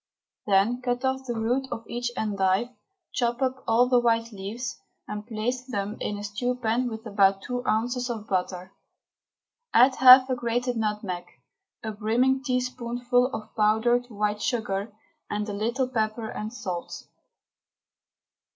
Then cut off the root of each endive, chop up all the white leaves, and place them in a stew pan with about two ounces of butter. Add half a grated nutmeg, a brimming teaspoonful of powdered white sugar, and a little pepper and salt.